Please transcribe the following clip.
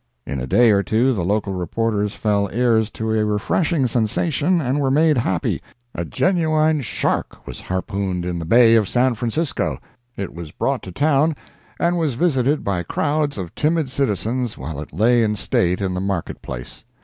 In a day or two the local reporters fell heirs to a refreshing sensation and were made happy—a genuine shark was harpooned in the Bay of San Francisco! It was brought to town and was visited by crowds of timid citizens while it lay in state in the market place.